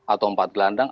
atau empat gelandang